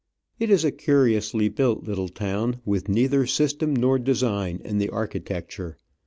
It is a curiously built little town, with neither system nor design in the architec ture.